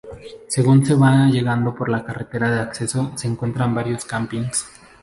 Según se va llegando por la carretera de acceso, se encuentran varios campings.